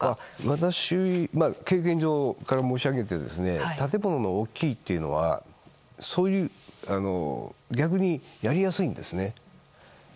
私の経験上から申し上げて建物が大きいというのは逆にやりやすいんですね。